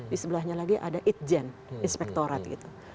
di sebelahnya lagi ada itjen inspektorat gitu